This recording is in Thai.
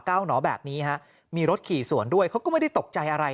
หนอแบบนี้ฮะมีรถขี่สวนด้วยเขาก็ไม่ได้ตกใจอะไร